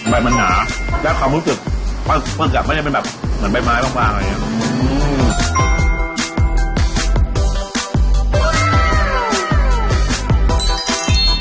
ใบมันหนาแล้วความรู้สึกปลากอ่ะไม่ได้เป็นแบบเหมือนใบไม้ว่างอะไรอย่างนี้